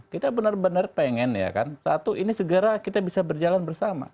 kita benar benar pengen ya kan satu ini segera kita bisa berjalan bersama